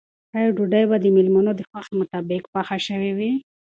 آیا ډوډۍ به د مېلمنو د خوښې مطابق پخه شوې وي؟